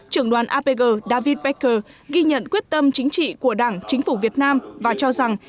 trưởng đoàn apg david becker ghi nhận quyết tâm chính trị của đảng chính phủ việt nam và cho rằng